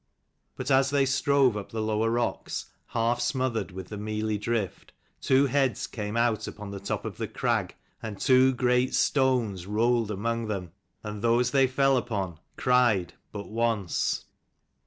But as they strove up the lower rocks, half smothered with the mealy drift, two heads came out upon the top of the crag, and two great stones rolled among them. And those they fell upon cried but once.